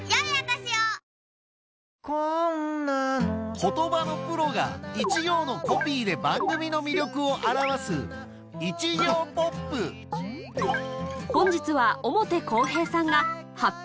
言葉のプロが一行のコピーで番組の魅力を表す本日は表公平さんが『発表！